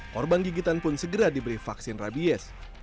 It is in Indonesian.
korban gigitan pun segera diberi vaksin rabies